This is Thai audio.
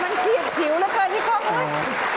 มันเขียนชิวเหลือเกินพี่ก้อง